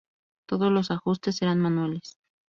Todos los ajustes eran manuales.